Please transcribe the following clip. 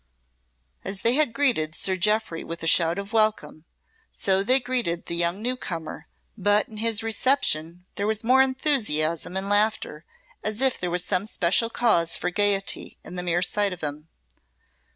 As they had greeted Sir Jeoffry with a shout of welcome, so they greeted the young newcomer, but in his reception there was more enthusiasm and laughter, as if there were some special cause for gayety in the mere sight of him.